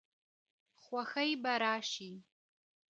خوښۍ به راشي.